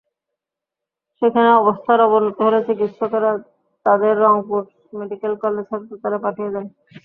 সেখানে অবস্থার অবনতি হলে চিকিৎসকেরা তাঁদের রংপুর মেডিকেল কলেজ হাসপাতালে পাঠিয়ে দেন।